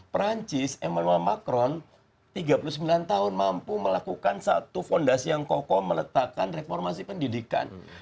perancis emmanuel macron tiga puluh sembilan tahun mampu melakukan satu fondasi yang kokoh meletakkan reformasi pendidikan